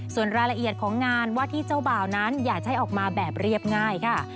ส่วนรายละเอียดของงานว่าที่เจ้าบ่าวนั้นอย่าใช้ออกมาแบบเรียบง่ายค่ะ